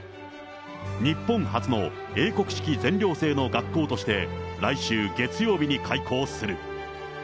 日本初の英国式全寮制の学校として、来週月曜日に開校する。